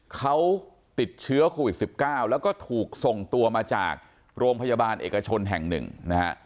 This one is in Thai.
เขาติดเชื้อโควิด๑๙แล้วก็ถูกส่งตัวมาจากโรงพยาบาลเอกชนแห่งหนึ่งนะฮะ